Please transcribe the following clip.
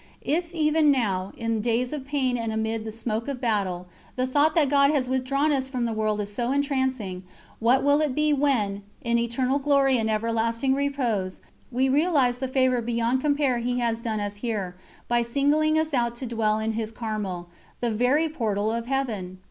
If even now, in days of pain and amid the smoke of battle, the thought that God has withdrawn us from the world is so entrancing, what will it be when, in eternal glory and everlasting repose, we realise the favour beyond compare He has done us here, by singling us out to dwell in His Carmel, the very portal of Heaven?